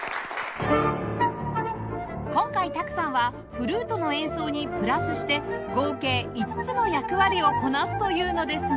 今回多久さんはフルートの演奏にプラスして合計５つの役割をこなすというのですが